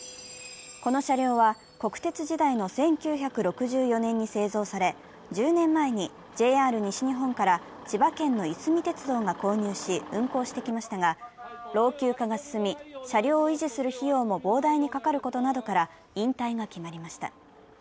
この車両は国鉄時代の１９６４年に製造され１０年前にＪＲ西日本から千葉県のいすみ鉄道が購入し運行してきましたが、老朽化が進み車両を維持する費用も膨大にかかることなどから引退が決まりました。